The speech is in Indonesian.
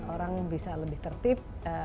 orang bisa lebih tertib